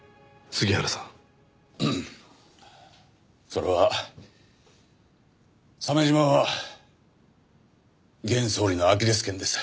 それは鮫島は現総理のアキレス腱です。